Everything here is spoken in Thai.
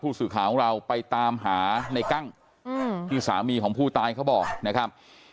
สื่อข่าวของเราไปตามหาในกั้งที่สามีของผู้ตายเขาบอกนะครับ